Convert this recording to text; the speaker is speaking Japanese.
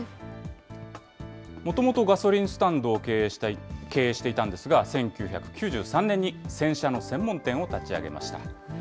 もともとガソリンスタンドを経営していたんですが、１９９３年に洗車の専門店を立ち上げました。